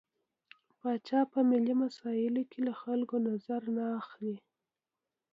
پاچا په ملي مسايلو کې له خلکو نظر نه اخلي.